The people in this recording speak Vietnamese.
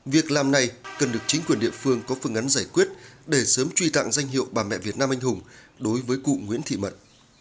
việc làm này cần được chính quyền địa phương có phương án giải quyết để sớm truy tặng danh hiệu bà mẹ việt nam anh hùng đối với cụ nguyễn thị mận